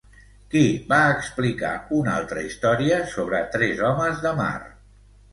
Qui va explicar una altra història, sobre tres homes de mar?